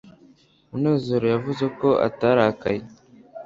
munezero yavuze ko atarakaye